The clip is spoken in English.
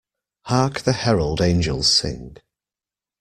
Hark the Herald Angels sing.